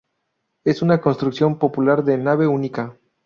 Es una construcción popular de nave única.